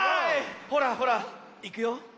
ほらほらいくよ。